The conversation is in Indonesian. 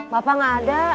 bapak nggak ada